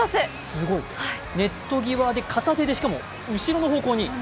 すごい、ネット際で片手でしかも後ろの方向に。